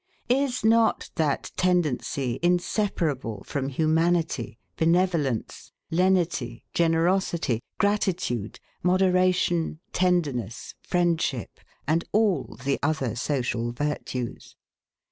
Is not that tendency inseparable from humanity, benevolence, lenity, generosity, gratitude, moderation, tenderness, friendship, and all the other social virtues?